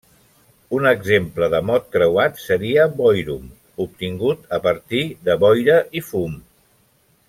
Un exemple de mot creuat seria boirum, obtingut a partir de boira i fum.